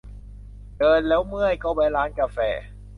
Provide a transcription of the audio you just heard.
เดินแล้วเมื่อย ก็แวะร้านกาแฟ